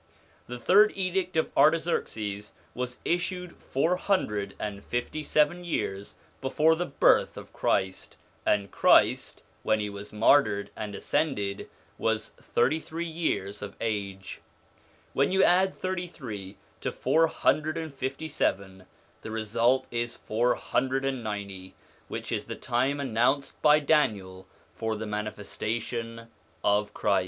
The third edict of Artax erxes was issued four hundred and fifty seven years before the birth of Christ, and Christ when he was martyred and ascended was thirty three years of age. When you add thirty three to four hundred and fifty seven, the result is four hundred and ninety, which is the time announced by Daniel for the manifestation of Christ. 1 Chap. IT. 24.